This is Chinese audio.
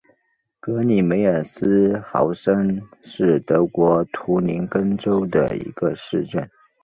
格里梅尔斯豪森是德国图林根州的一个市镇。